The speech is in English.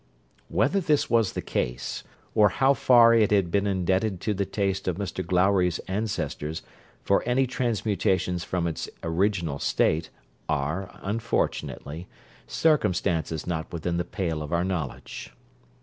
Whether this was the case, or how far it had been indebted to the taste of Mr Glowry's ancestors for any transmutations from its original state, are, unfortunately, circumstances not within the pale of our knowledge.